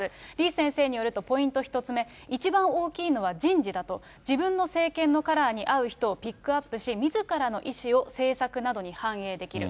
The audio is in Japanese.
李先生によると、ポイント１つ目、一番大きいのは人事だと。自分の政権のカラーに合う人をピックアップし、みずからの意思を政策などに反映できる。